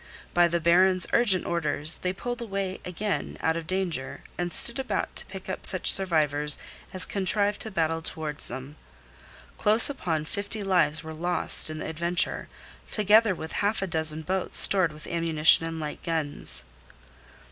By the Baron's urgent orders they pulled away again out of danger, and stood about to pick up such survivors as contrived to battle towards them. Close upon fifty lives were lost in the adventure, together with half a dozen boats stored with ammunition and light guns.